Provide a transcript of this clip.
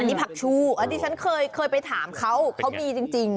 อันนี้ผักชู่เลยครับเคยไปถามครับเขามีจริง